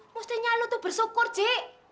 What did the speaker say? mustinya lo tuh bersyukur zy